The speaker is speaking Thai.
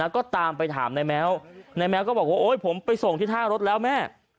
ก็ตามไปถามนายแมวนายแม้วก็บอกว่าโอ๊ยผมไปส่งที่ท่ารถแล้วแม่